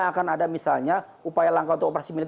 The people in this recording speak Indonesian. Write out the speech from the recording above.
akan ada misalnya upaya langkah untuk operasi militer